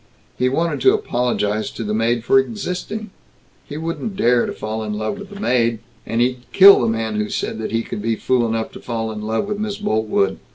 He wanted to apologize to the maid for existing.... He wouldn't dare to fall in love with the maid.... And he'd kill the man who said he could be fool enough to fall in love with Miss Boltwood.